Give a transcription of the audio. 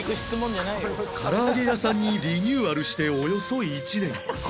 からあげ屋さんにリニューアルしておよそ１年